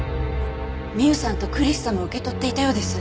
ミウさんとクリスさんも受け取っていたようです。